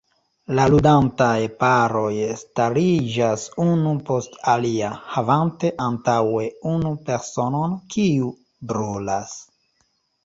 La ludantaj paroj stariĝas unu post alia, havante antaŭe unu personon, kiu "brulas".